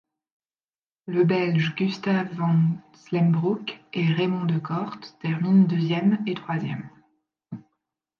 Le Belges Gustave Van Slembrouck et Raymond Decorte terminent deuxième et troisième.